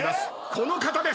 この方です！